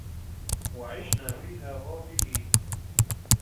وَعِشْنَا فِيهَا غَافِلِينَ